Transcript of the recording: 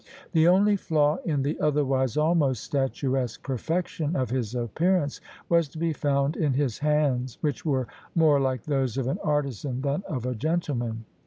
The only flaw in the otherwise almost statuesque perfection of his appearance was to be found in his hands, which were more like those of an artisan than of a gentleman.